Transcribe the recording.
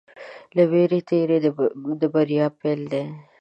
له وېرې تېری د بریا پيل دی.